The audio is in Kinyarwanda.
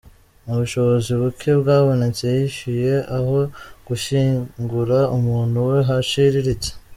Mu bushobozi buke bwabonetse yishyuye aho gushyingura umuntu we haciriritse.